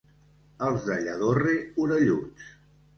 Els de Lladorre, orelluts.